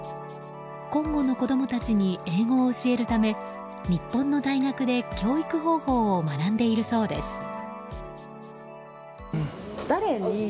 コンゴの子供たちに英語を教えるため日本の大学で教育方法を学んでいるそうです。